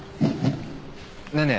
ねえねえ